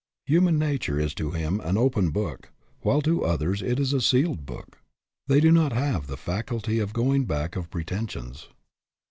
Human nature is to him an open book, while to others it is a sealed book. They do not have the faculty of going back of pretensions.